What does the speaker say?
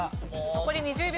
残り２０秒。